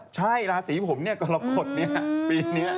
ใช่ราศีผมเนี่ยกรกฎเนี่ยปีนี้